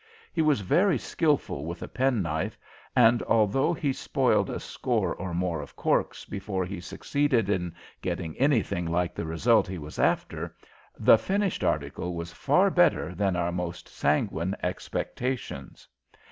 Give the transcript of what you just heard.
He was very skilful with a penknife, and although he spoiled a score or more of corks before he succeeded in getting anything like the result he was after, the finished article was far better than our most sanguine expectations.